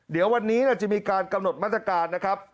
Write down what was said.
เดี๋ยววันนี้จะมีการกำหนดมาตรการนะครับ